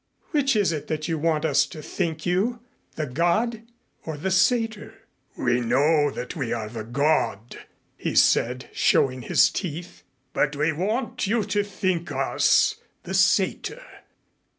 Which is it that you want us to think you, the god or the satyr?" "We know that we are the god," he said, showing his teeth, "but we want you to think us the satyr."